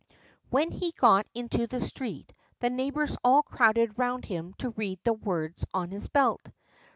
When he got into the street the neighbors all crowded round him to read the words on his belt.